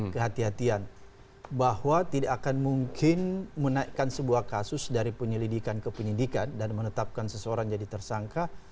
kehatian bahwa tidak akan mungkin menaikkan sebuah kasus dari penyelidikan ke penyidikan dan menetapkan seseorang jadi tersangka